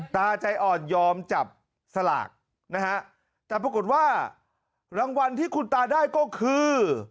ตาใจอ่อนยอมจับสลากนะฮะแต่ปรากฏว่ารางวัลที่คุณตาได้ก็คือ